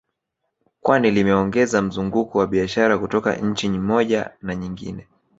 Kwani limeongeza mzunguko wa biashara kutoka nchi moja na nyingine